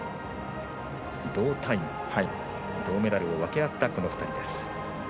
同タイム、銅メダルを分け合ったこの２人です。